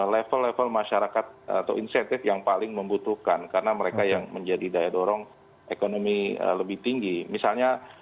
level level masyarakat atau insentif yang paling membutuhkan karena mereka yang menjadi daya dorong ekonomi lebih tinggi misalnya